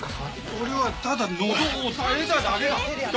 俺はただ喉を押さえただけだ。